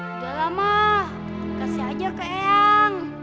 udah lama kasih aja ke eyang